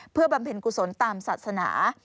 เพื่อบำเพ็ญกุศลตามศาสนา